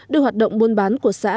được hoạt động muôn bán của xã